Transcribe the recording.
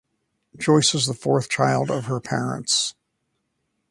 Joyce is the fourth child of her parents.